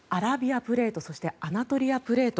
プレートそしてアナトリアプレート